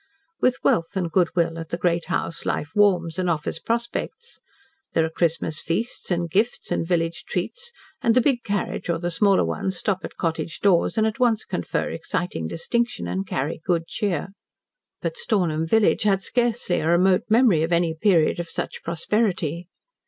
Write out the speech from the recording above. With wealth and good will at the Great House, life warms and offers prospects. There are Christmas feasts and gifts and village treats, and the big carriage or the smaller ones stop at cottage doors and at once confer exciting distinction and carry good cheer. But Stornham village had scarcely a remote memory of any period of such prosperity.